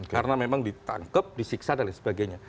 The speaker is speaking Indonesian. karena memang ditangkep disiksa dan sebagainya